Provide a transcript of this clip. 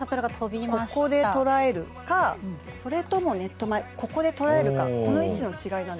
ここで捉えるかそれともネット前ここで捉えるか